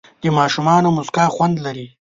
د ماشومانو موسکا خوند لري.